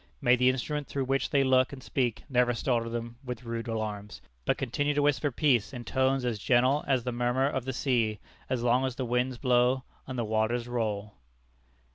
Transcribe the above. May the instrument through which they look and speak never startle them with rude alarms, but continue to whisper peace in tones as gentle as the murmur of the sea, as long as the winds blow and the waters roll.